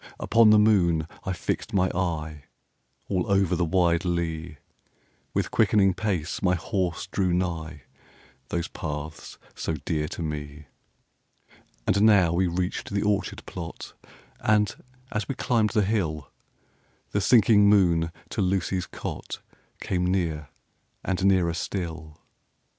Upon the moon I fixed my eye, All over the wide lea; 10 With quickening pace my horse drew nigh Those paths so dear to me. And now we reached the orchard plot; And, as we climbed the hill, The sinking moon to Lucy's cot Came near, and nearer still.